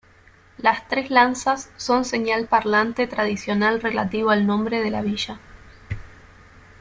Las tres lanzas son señal parlante tradicional relativo al nombre de la villa.